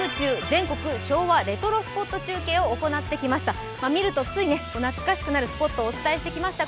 全国昭和レトロスポット中継」をお伝えしてきました。